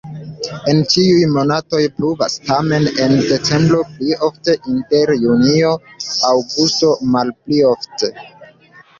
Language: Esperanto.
En ĉiuj monatoj pluvas, tamen en decembro pli ofte, inter junio-aŭgusto malpli ofte.